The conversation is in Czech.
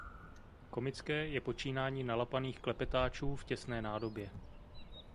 Komické je počínání nalapaných klepetáčů v těsné nádobě.